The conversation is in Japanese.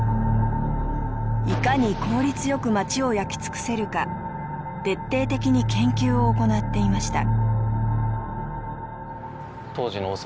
いかに効率よく街を焼き尽くせるか徹底的に研究を行っていました。